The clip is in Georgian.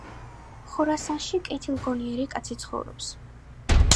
ხორასანში კეთილგონიერი კაცი ცხოვრობს.